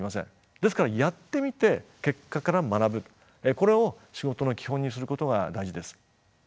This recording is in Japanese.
ですからやってみて結果から学ぶこれを仕事の基本にすることが大事です。